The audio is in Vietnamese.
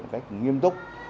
một cách nghiêm túc